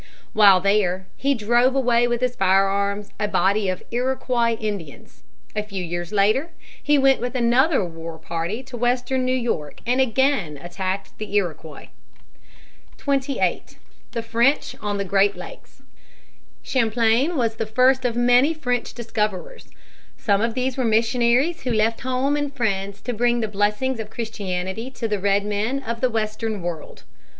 While there, he drove away with his firearms a body of Iroquois Indians. A few years later he went with another war party to western New York and again attacked the Iroquois. [Sidenote: French missionaries and traders.] [Sidenote: They visit Lake Superior and Lake Michigan.] 28. The French on the Great Lakes. Champlain was the first of many French discoverers. Some of these were missionaries who left home and friends to bring the blessings of Christianity to the Red Men of the western world.